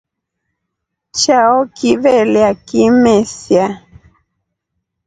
Chao kivelya kimesia.